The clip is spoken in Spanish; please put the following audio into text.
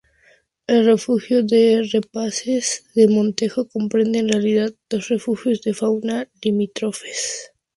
El Refugio de Rapaces de Montejo comprende en realidad dos Refugios de Fauna limítrofes.